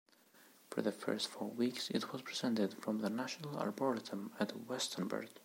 For the first four weeks it was presented from the National Arboretum at Westonbirt.